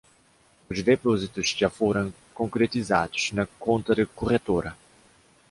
Os depósitos já foram concretizados na conta da corretora